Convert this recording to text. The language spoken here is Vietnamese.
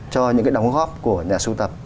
cho những cái đóng góp của nhà sưu tập